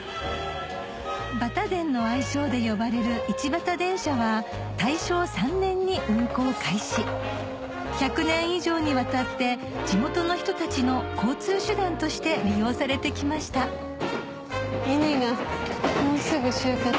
「バタデン」の愛称で呼ばれる一畑電車は大正３年に運行開始１００年以上にわたって地元の人たちの交通手段として利用されてきました稲がもうすぐ収穫。